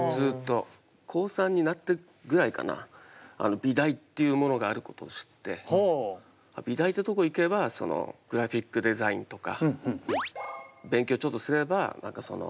高３になってぐらいかな美大っていうものがあることを知って美大ってとこ行けばそのグラフィックデザインとか勉強ちょっとすればレコードジャケットとか。